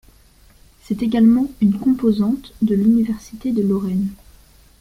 C’est également une composante de l’université de Lorraine.